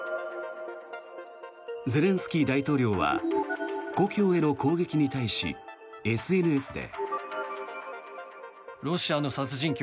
ゼレンスキー大統領は故郷への攻撃に対しＳＮＳで。